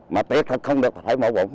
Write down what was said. mà thiệt thật không được thì phải bỏ bụng